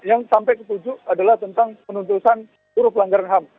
yang sampai ke tujuh adalah tentang penuntusan turut pelanggaran ham